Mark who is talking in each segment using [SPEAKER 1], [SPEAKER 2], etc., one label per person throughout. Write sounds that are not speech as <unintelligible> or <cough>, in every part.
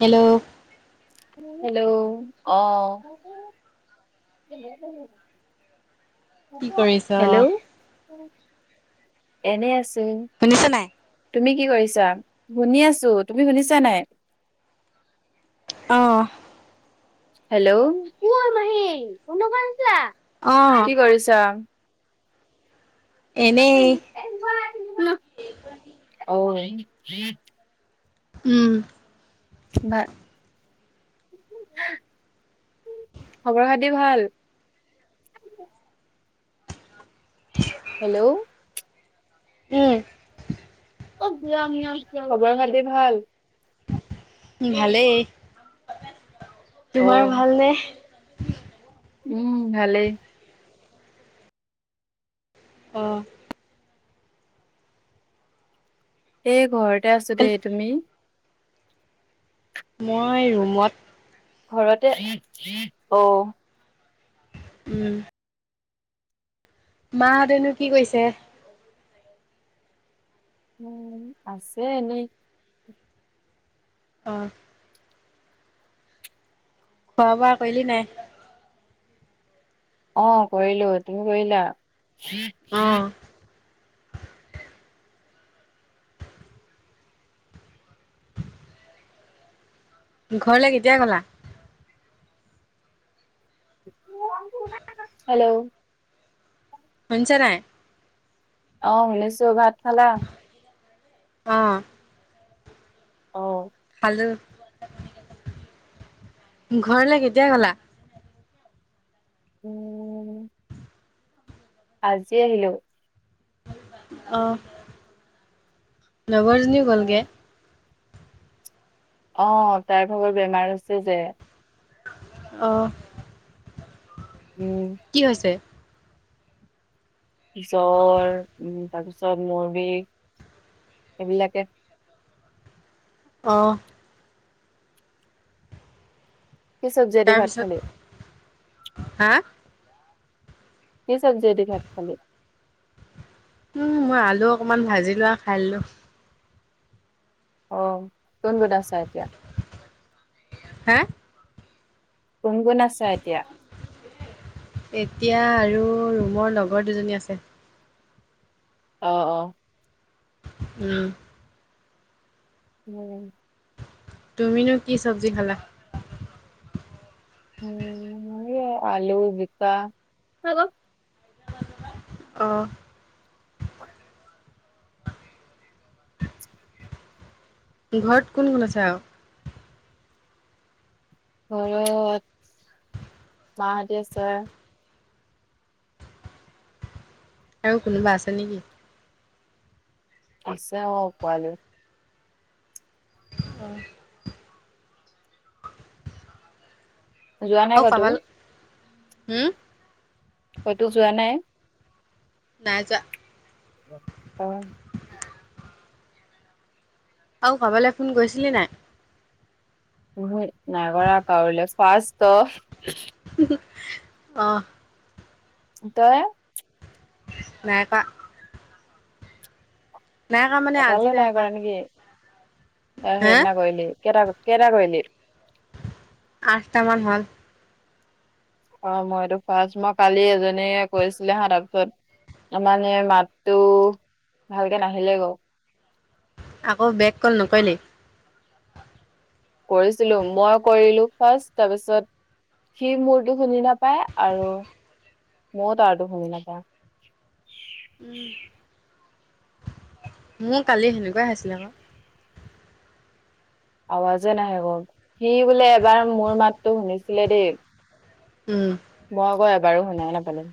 [SPEAKER 1] Hello
[SPEAKER 2] hello অ ব
[SPEAKER 1] কি কৰিছ?
[SPEAKER 2] হেল্ল' এনে আছোন
[SPEAKER 1] শুনিছ নাই
[SPEAKER 2] তুমি কি কৰিছা শুনি আছো তুমি শুনিছা নাই
[SPEAKER 1] অঁ
[SPEAKER 2] হেল্ল' ক
[SPEAKER 1] অ',
[SPEAKER 2] কি কৰিছ
[SPEAKER 1] এনেই
[SPEAKER 2] ্চ
[SPEAKER 1] উম
[SPEAKER 2] ভা খবৰ খাতি ভাল
[SPEAKER 1] হয়
[SPEAKER 2] হেল্ল'
[SPEAKER 1] উম
[SPEAKER 2] অ বিিয়াম নিয়াম চ খবৰ খাতি ভাল
[SPEAKER 1] ভালেই
[SPEAKER 2] অ
[SPEAKER 1] তোমাৰ ভালনেে
[SPEAKER 2] উম ভালেই
[SPEAKER 1] অঁ
[SPEAKER 2] এই ঘৰতে আছো দেই তুমি
[SPEAKER 1] মই ৰুমত
[SPEAKER 2] ঘৰতে অ
[SPEAKER 1] উম মাহঁতেনো কি কৈছে
[SPEAKER 2] উ আছে এনেই
[SPEAKER 1] অঁ খোৱা বোৱা কলি নাই
[SPEAKER 2] অ কৰিলো তুমি কৰিলা
[SPEAKER 1] অঁ ঘৰলে কেতিয়া গ'লা
[SPEAKER 2] হেল্ল'
[SPEAKER 1] শ হৈছে নাই
[SPEAKER 2] অ শুনিছো ভাত খালা
[SPEAKER 1] অ
[SPEAKER 2] অঁ
[SPEAKER 1] ভাল ঘৰলে কেতিয়া গলা
[SPEAKER 2] উম আজি আহিলো
[SPEAKER 1] অ লগৰজনীও
[SPEAKER 2] অ
[SPEAKER 1] গ'লগে
[SPEAKER 2] অ তাৰ ভাগৰ বেমাৰ আছে যে
[SPEAKER 1] অঁ
[SPEAKER 2] অ
[SPEAKER 1] কি হৈছে
[SPEAKER 2] পিছৰ উম তাৰ পিছত মুৰ বিষ এইবিলাকে
[SPEAKER 1] অ
[SPEAKER 2] কি চব্জিয়েদি ভাত খালি
[SPEAKER 1] তাৰপিছত হা
[SPEAKER 2] স চব্জিদি খাট থালে
[SPEAKER 1] উম মই আলু অকনমান ভাজি লো আৰু খাইলো
[SPEAKER 2] অ কোন গোত আছা এতিয়া
[SPEAKER 1] হা?
[SPEAKER 2] কোন কোন আছে এতিয়া?
[SPEAKER 1] এতিয়া আৰু ৰুমৰ লগৰ দুজনী আছে।
[SPEAKER 2] অ অ।
[SPEAKER 1] উম।
[SPEAKER 2] উম।
[SPEAKER 1] তুমিনো কি চব্জি খালা?
[SPEAKER 2] উম। আলু, জিকা
[SPEAKER 1] অ। ঘৰত কোন কোন আছে আৰু?
[SPEAKER 2] ঘৰত মাহতি আছে।
[SPEAKER 1] আৰু কোনোবা আছে নেকি?
[SPEAKER 2] আছে পোৱালী।
[SPEAKER 1] অ।
[SPEAKER 2] যোৱা নাই
[SPEAKER 1] অ
[SPEAKER 2] কতো
[SPEAKER 1] পাবাল উম।
[SPEAKER 2] হয়তো যোৱা নাই।
[SPEAKER 1] নাই যোৱা।
[SPEAKER 2] অ।
[SPEAKER 1] আৰু কাবালৈ ফোন কৰিছিলি নাই?
[SPEAKER 2] নাই কৰাৰ আকালে ফাৰ্ষ ত
[SPEAKER 1] অ।
[SPEAKER 2] তই
[SPEAKER 1] নাই কৰা। নাই কৰা মানে আজি
[SPEAKER 2] এটালৈ নাই কৰা নেকি, অ
[SPEAKER 1] হে
[SPEAKER 2] সেইদিনা কৰিলি কেইটা কেইটা কৰিলি?
[SPEAKER 1] আঠটাামান হ'ল।
[SPEAKER 2] অ মই এটো ফাৰ্ষ্ট। মই কালি এজনীয়ে কৈছিলে হা পিছত মানে মাতটো ভালকে নাহিলে গ
[SPEAKER 1] আকৌ বেগ কল নকৰিলি?
[SPEAKER 2] কৰিছিলো। মই কৰিলো ফাৰ্ষ্ট, তাৰপিছত সি মোৰতো শুনি নাপায়, আৰু ময়ও তাৰতো শুনি নাপাওঁ।
[SPEAKER 1] উম। মোৰ কালি সেনেকুৱাইে আহিছিলে আকৌ।
[SPEAKER 2] আৱাজে নাহে <unintelligible> সি বোলে এবাৰ মোৰ মাতটো শুনিছিলে দেই।
[SPEAKER 1] উম।
[SPEAKER 2] মই আকৌ এবাৰো শুনাই নাপালো।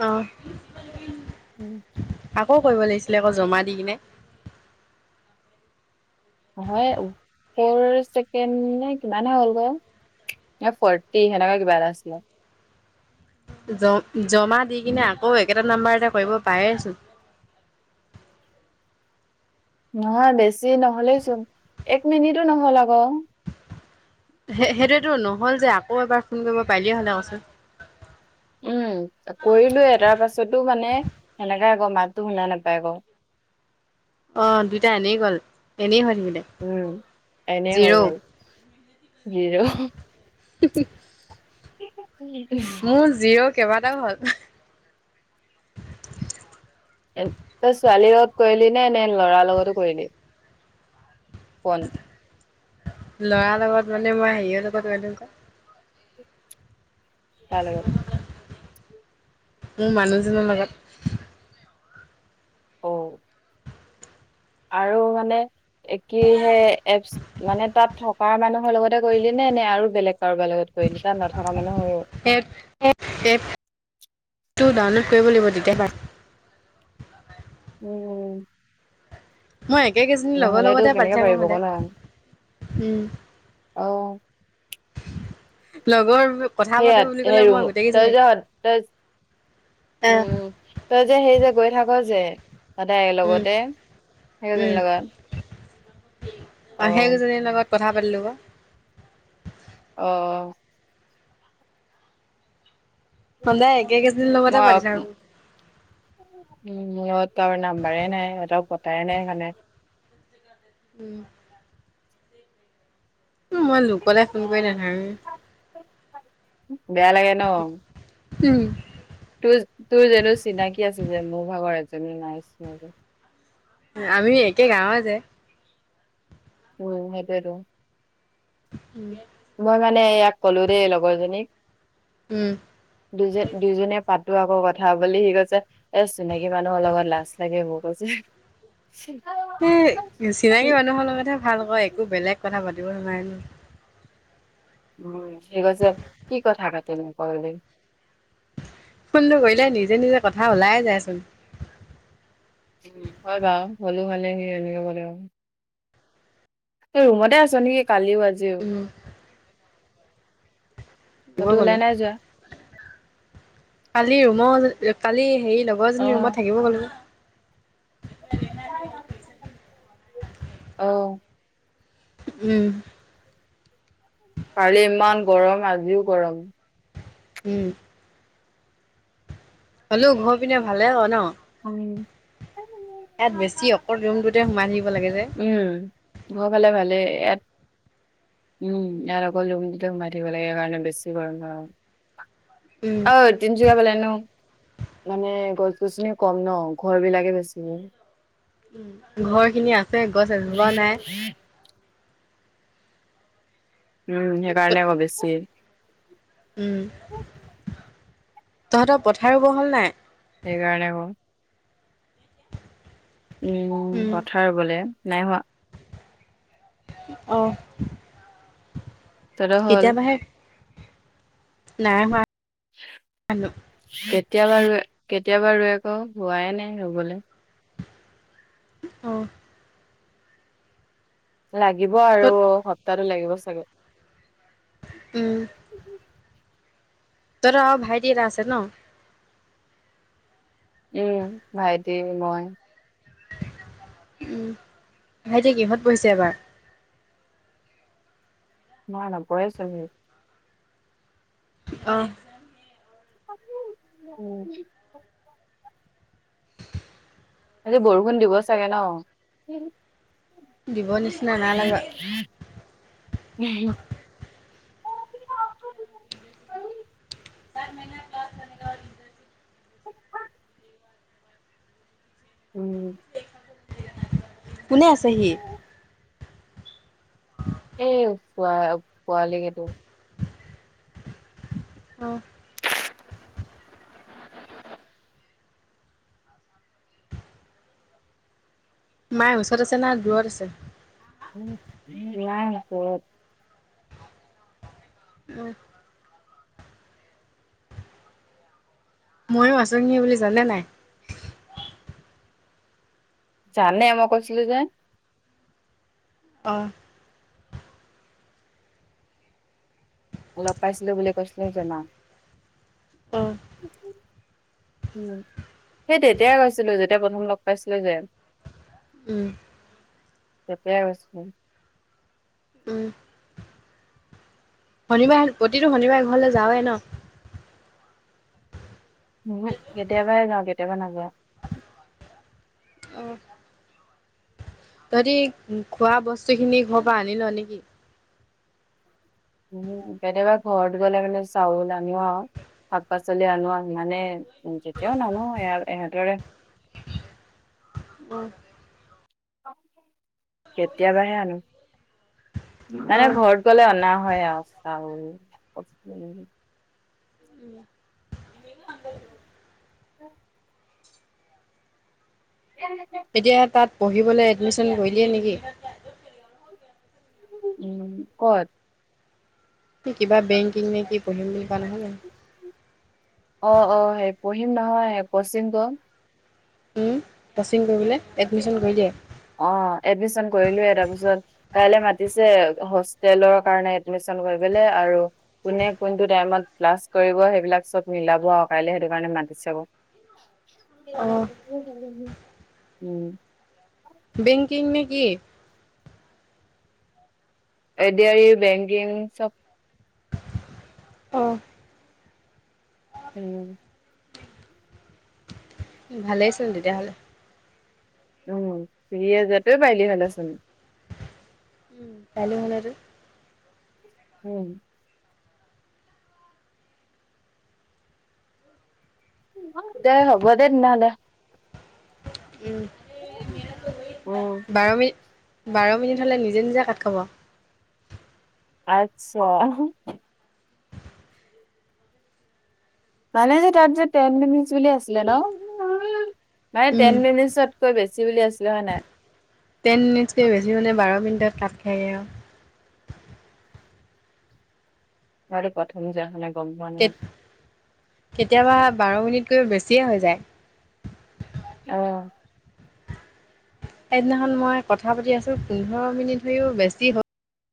[SPEAKER 1] অ।
[SPEAKER 2] উম।
[SPEAKER 1] আকৌ কৰিব লাগিছিলে আকৌ জমা দি কিনে।
[SPEAKER 2] নহয় ওঠৰ ছেকেণ্ড নে কিমানহে হ'ল গৈ। ফৰ্টি সেনেকা কিবা এটা আছিলে।
[SPEAKER 1] জমা দি কিনে আকৌ একেটা নাম্বাৰতে কৰিব পাৰে চোন।
[SPEAKER 2] নহয় বেছি নহ'লেই চোন, এক মিনিটো নহ'ল আকৌ।
[SPEAKER 1] সে-সেইটোতো নহ'ল যে আকৌ এবাৰ ফোন কৰিব পাৰিলিয়ে হ'লে কৈছোঁ।
[SPEAKER 2] উম কৰিলোৱয়ে তাৰ পাছতো মানে সেনেকাই আকৌ মাতটো শুনাা নাপায় আকৌ।
[SPEAKER 1] অ দুইটা এনেই গ'ল। এনেই হৈ থাকিলে।
[SPEAKER 2] উম এনে
[SPEAKER 1] জিৰ'
[SPEAKER 2] হৈ গ'ল। জিৰো
[SPEAKER 1] মোৰ জিৰো কেইবাটাও হ'ল।
[SPEAKER 2] এ তই ছোৱালীৰ লগত কৰিলি নে, নে ল'ৰাৰ লগতো কৰিলি ফোন?
[SPEAKER 1] ল'ৰাৰ লগত মানে মই হেৰিৰ লগত
[SPEAKER 2] কাৰ লগত?
[SPEAKER 1] মোৰ মানুহজনৰ লগত।
[SPEAKER 2] অ', আৰু মানে একেই হে এপছ মানে তাত থকা মানুহৰ লগতে কৰিলি নে, নে আৰু বেলেগ কাৰোবাৰ লগত কৰিলি, তাত নথকা মানুহৰ
[SPEAKER 1] এপচটো ডাউনলোড কৰিব লাগিব তেতিয়া
[SPEAKER 2] উম্।
[SPEAKER 1] মই একে কেইজনী লগৰ
[SPEAKER 2] নহ'লেতো
[SPEAKER 1] লগতে পাতি
[SPEAKER 2] কেনেকে
[SPEAKER 1] থাকো
[SPEAKER 2] পাৰিব আকৌ
[SPEAKER 1] সদায়,
[SPEAKER 2] ন
[SPEAKER 1] উম্।
[SPEAKER 2] অ'
[SPEAKER 1] লগৰ। কথা পাতো
[SPEAKER 2] ইয়াত
[SPEAKER 1] বুলি
[SPEAKER 2] হে
[SPEAKER 1] ক'লে মই
[SPEAKER 2] ৰুম ত
[SPEAKER 1] গোটেইকেইজনীক
[SPEAKER 2] য ত
[SPEAKER 1] আহ
[SPEAKER 2] উম্, তই যে সেই যে গৈ থাক যে। সদাই একে
[SPEAKER 1] উম,
[SPEAKER 2] লগতে, সেইেজনীৰ
[SPEAKER 1] উম,
[SPEAKER 2] লগত।
[SPEAKER 1] অ', সেইকেইজনীৰ লগত কথা পাতিলোঁ আকৌ।
[SPEAKER 2] অ',
[SPEAKER 1] সদায় একে কেইজনীৰ লগতে পাতি থাকোঁ।
[SPEAKER 2] উম্, মোৰ লগত কাৰো নাম্বাৰে নাই, সিহঁতক কথাই পতা নাই সেইকাৰনে।
[SPEAKER 1] উম্। উম্, মই লোকলে ফোন কৰি নাথাকোঁ মানে।
[SPEAKER 2] বেয়া লাগে ন।
[SPEAKER 1] উম্।
[SPEAKER 2] তোৰ, তোৰ জানো চিনাকি আছিল যে মোৰ ভাগৰ এজনী নাইছিল
[SPEAKER 1] আমি একে গাঁৱৰে যে
[SPEAKER 2] উম্, সেইটোৱেইটো
[SPEAKER 1] ইপিনে
[SPEAKER 2] মই মানে ইয়াক কলো দেই লগৰজনীক।
[SPEAKER 1] উম্,
[SPEAKER 2] দুইজনী দুইজনীয়ে পাতো আকৌ কথা বুলি, সি কৈছে- এ চিনাকী মানুহৰ লগত লাজ লাগে মোৰ কৈছে,
[SPEAKER 1] এ
[SPEAKER 2] কি
[SPEAKER 1] চিনাকি মানুহৰ লগতহে ভাল আকৌ একো বেলেগ কথা পাতিব নোৱাৰি।
[SPEAKER 2] উম্, সি কৈছে কি কথা পাতিম বোলে।
[SPEAKER 1] ফোনটো কৰিলে, নিজে নিজে কথা ওলাই যায়চোন।
[SPEAKER 2] উম্, হয় বাৰু হ'লেও হ'লে সি এনেকে ক'লে তই ৰুমতে আছ নেকি? কালিও আজিও।
[SPEAKER 1] উম্, গই
[SPEAKER 2] ক'তো ওলাই
[SPEAKER 1] গ'লো
[SPEAKER 2] নাই যোৱা
[SPEAKER 1] কালি ৰুমৰ কালি হেৰি লগ লগৰজনী
[SPEAKER 2] অ
[SPEAKER 1] ৰুমত থাকিব গ'লো।
[SPEAKER 2] অ',
[SPEAKER 1] উম্,
[SPEAKER 2] কালি ইমান গৰম, আজিও গৰম।
[SPEAKER 1] উম্ হ'লেও ঘৰ পিনে ভালে অ' ন।
[SPEAKER 2] উম্।
[SPEAKER 1] ইয়াত বেছি অকল ৰুমটোতে সোমাই থাকিব লাগে যে।
[SPEAKER 2] উম্, ঘৰৰ ফালে ভালে ইয়াত উম্। অকল ৰুমটোতে সোমাই থাকিব লাগে, সেই কাৰণে বেছি গৰম হয়
[SPEAKER 1] উম
[SPEAKER 2] অ'। তিনিচুকীয়া ফালে ন, মানে গছ-গছনি কম ন ঘৰ বিলাকে বেছি।
[SPEAKER 1] উম্, ঘৰ খিনি আছে গছ এজোপাও নাই।
[SPEAKER 2] উম্, সেইকাৰণে আকৌ বেছি।
[SPEAKER 1] উম্, তহঁতৰ পথাৰ বোৰ ৰুৱ হ'ল নাই।
[SPEAKER 2] সেইকাৰণে কওঁ। উম্,
[SPEAKER 1] উম
[SPEAKER 2] পথাৰ ৰুৱলে নাই হোৱা।
[SPEAKER 1] অ'।
[SPEAKER 2] তহঁতৰ হ'ল?
[SPEAKER 1] কেতিয়াবাহে নাই হোৱা।
[SPEAKER 2] কেতিয়াবা ৰুৱে কেতিয়াবা ৰুৱেগৌ হোৱাইে নাই ৰুবলে।
[SPEAKER 1] অ'।
[SPEAKER 2] লাগিব আৰু
[SPEAKER 1] তত
[SPEAKER 2] সপ্তাহটো লাগিব চাগে।
[SPEAKER 1] উম। তহঁতৰ আৰু ভাইটি এটা আছে ন?
[SPEAKER 2] উম, ভাইটি মই।
[SPEAKER 1] উম, ভাইটি কিহঁত পহিছে এবাৰ?
[SPEAKER 2] <inaudible>
[SPEAKER 1] অ'।
[SPEAKER 2] উম। আজি বৰষুণ দিব চাগে ন?
[SPEAKER 1] দিব নিচিনা নাই লগা।
[SPEAKER 2] <inaudible>
[SPEAKER 1] <inaudible>
[SPEAKER 2] <inaudible> উম।
[SPEAKER 1] কোনে আছেহি?
[SPEAKER 2] এ পোৱা পোৱালিকেইেতো।
[SPEAKER 1] অ'। মায়ে ওচৰত আছে না দূৰত আছে?
[SPEAKER 2] নাই ওচৰত।
[SPEAKER 1] উম। ময়ো আছোহি বুলি জানে নাই?
[SPEAKER 2] জানে মই কৈছিলো যে।
[SPEAKER 1] অ'।
[SPEAKER 2] লগ পাইছিলো বুলি কৈছিলো জানা।
[SPEAKER 1] অ',
[SPEAKER 2] উম, সেই তেতিয়ায়ে কৈছিলো যেতিয়া প্ৰথম লগ পাইছিলো যে।
[SPEAKER 1] উম।
[SPEAKER 2] তেতিয়া কৈছিলো।
[SPEAKER 1] উম, শনিবাৰ প্ৰতিটো শনিবাৰ ঘৰলে যাৱৱে ন?
[SPEAKER 2] উহো, কেতিয়াবা হে যাওঁ কেতিয়াবা নাযাওঁ।
[SPEAKER 1] তহতি খোৱা বস্তুখিনি ঘৰ পৰা আনিল নেকি?
[SPEAKER 2] উহো কেতিয়াবা ঘৰত গ'লে মানে চাউল আনিব আৰু। শাক পাচলি আনো মানে উম যেতিয়াও নানো এইহঁতৰে
[SPEAKER 1] অ',
[SPEAKER 2] কেতিয়াবাহে আনো। মানে
[SPEAKER 1] অ',
[SPEAKER 2] ঘৰত গ'লে অনা হয় আৰু চাউল <inaudible> <inaudible> <inaudible>
[SPEAKER 1] এতিয়া তাত পঢ়িবলৈ এডমিশন কৰিলিয়ে নেকি?
[SPEAKER 2] উম, ক'ত?
[SPEAKER 1] কিবা বেকিং নে কি পঢ়িম বুলি কোৱা নহয় জানো।
[SPEAKER 2] অ', অ', সেই পঢ়িম নহয়েই <unintelligible>
[SPEAKER 1] উম, কচিং কৰিবলৈ এডমিশ্যন কৰি দিয়ে।
[SPEAKER 2] অ', এডমিশন কৰিলোয়ে তাৰপিছত কাইলৈ মাতিছে হোষ্টেলৰ কাৰণে এডমিশন কৰিবলে আৰু কোনে কোনটো টাইমত ক্লাছ কৰিব সেইবিলাক চব মিলাব আৰু কাইলে সেইটো কাৰণে মাতিছে বাৰু।
[SPEAKER 1] <inaudible> অ',
[SPEAKER 2] <unintelligible> উম।
[SPEAKER 1] বেংকিং নে কি?
[SPEAKER 2] এ দি আৰ ই বেংকিং চব।
[SPEAKER 1] অ'।
[SPEAKER 2] উম।
[SPEAKER 1] ভালেই চোন তেতিয়াহ'লে
[SPEAKER 2] উম চিৰি <unintelligible>
[SPEAKER 1] কালি হ'ল আৰু
[SPEAKER 2] উম। দে হ'ব দে তেনেহ'লে
[SPEAKER 1] উম।
[SPEAKER 2] <unintelligible>
[SPEAKER 1] বাৰ মিনিট, বাৰ মিনিট হ'লে নিজে নিজে কাট খাব।
[SPEAKER 2] আচ্ছা। মানে যে তাত যে ন টেন মিনিটচ বুলি আছিলে ন' মানে
[SPEAKER 1] উম,
[SPEAKER 2] টেন মিনিটছতকৈ বেছি বুলি আছিলে হয় নে নাই
[SPEAKER 1] টেন মিনিটকৈ বেছি মানে বাৰ মিনিটত কাট খায়গৈ আৰু।
[SPEAKER 2] বাৰ প্ৰথম যে <unintelligible> গম পোৱা নাই।
[SPEAKER 1] কেতিয়াবা বাৰ মিনিটকৈ বেছিয়ে হৈ যায়।
[SPEAKER 2] অ'।
[SPEAKER 1] সেইদিনাখন মই কথা পাতি আছো পোন্ধৰ মিনিট কৈও বেছি হ'ল।